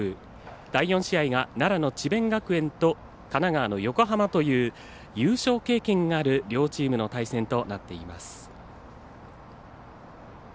第４試合が奈良の智弁学園と神奈川の横浜という優勝経験のある両チームの対戦となっています。